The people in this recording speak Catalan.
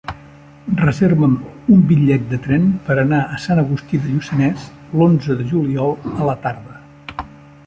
Reserva'm un bitllet de tren per anar a Sant Agustí de Lluçanès l'onze de juliol a la tarda.